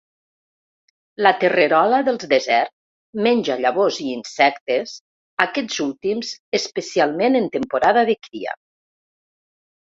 La terrerola del desert menja llavors i insectes, aquests últims especialment en temporada de cria.